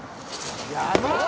「やばっ！」